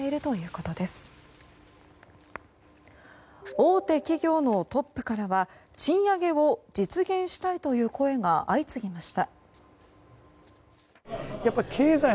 大手企業のトップからは賃上げを実現したいという声が相次ぎました。